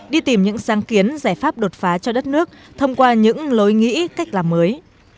đi tìm những sáng kiến giải pháp đột phá cho đất nước thông qua những lối nghĩ cách làm mới